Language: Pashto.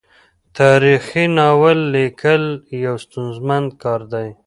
تاریخي ناول لیکل یو ستونزمن کار دی.